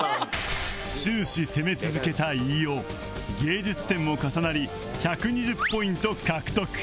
終始攻め続けた飯尾芸術点も重なり１２０ポイント獲得